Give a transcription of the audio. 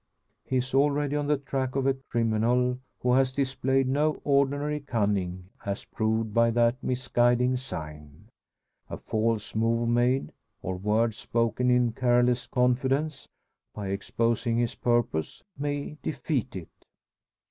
He is already on the track of a criminal who has displayed no ordinary cunning, as proved by that misguiding sign. A false move made, or word spoken in careless confidence, by exposing his purpose, may defeat it.